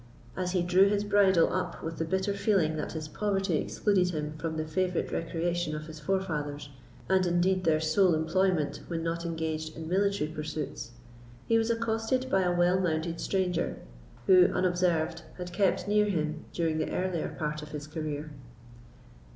As he drew his bridle up with the bitter feeling that his poverty excluded him from the favourite recreation of his forefathers, and indeed their sole employment when not engaged in military pursuits, he was accosted by a well mounted stranger, who, unobserved, had kept near him during the earlier part of his career.